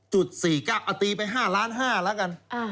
เมตรละ๔ก๊ากเอาตีไป๕ล้าน๕ละกัน